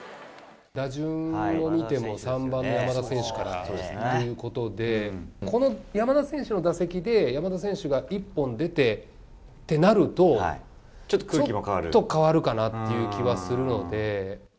打順を見ても３番の山田選手からということで、この山田選手の打席で、山田選手が１本出てってなると、ちょっと変わるかなっていう気はするので。